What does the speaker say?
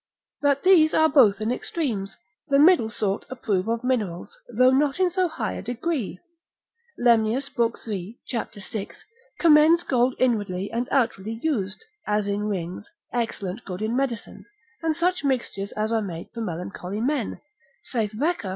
But these are both in extremes, the middle sort approve of minerals, though not in so high a degree. Lemnius lib. 3. cap. 6. de occult. nat. mir. commends gold inwardly and outwardly used, as in rings, excellent good in medicines; and such mixtures as are made for melancholy men, saith Wecker, antid.